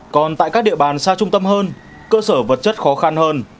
còn tại các địa bàn xa trung tâm hơn cơ sở vật chất khó khăn hơn